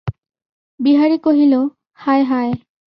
বিহারী কহিল, হায় হায়!